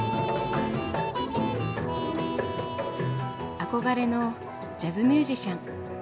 憧れのジャズミュージシャン。